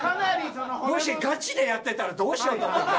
もしガチでやってたらどうしようと思って。